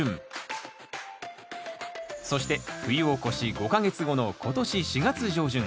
そして冬を越し５か月後の今年４月上旬。